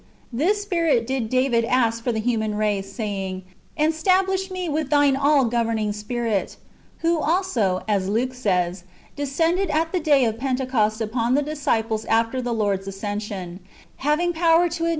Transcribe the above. This Spirit did David ask for the human r^ce, saying, j "And stablish me with Thine all governing Spirit;"^ who .\ also, as Luke says, descended at the day of Pentecost upon /^ the disciples after the Lord's ascension, having power to admit j I 1 Isa.